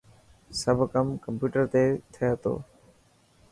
سب ڪم ڪمپيوٽر تي ٿي تو.